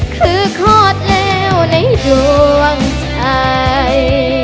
คือขอดเลวในดวงใจ